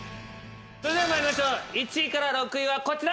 それでは参りましょう１位から６位はこちら！